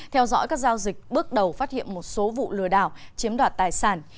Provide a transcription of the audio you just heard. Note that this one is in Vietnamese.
theo dõi các giao dịch bước đầu phát hiện một số vụ lừa đảo chiếm đoạt tài sản